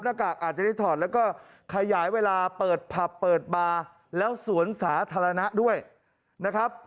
อากาศอาจจะได้ถอดแล้วก็ขยายเวลาเปิดผับเปิดบาร์แล้วสวนสาธารณะด้วยนะครับ